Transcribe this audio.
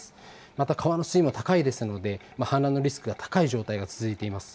また、川の水位も高いですので、氾濫のリスクが高い状態が続いています。